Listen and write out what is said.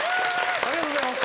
ありがとうございます。